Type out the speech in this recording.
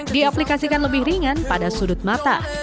diaplikasikan lebih ringan pada sudut mata